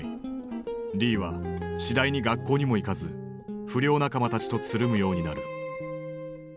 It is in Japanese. リーは次第に学校にも行かず不良仲間たちとつるむようになる。